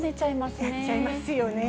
やっちゃいますよね。